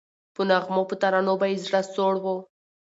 په نغمو په ترانو به یې زړه سوړ وو